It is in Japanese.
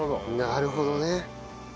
なるほどね。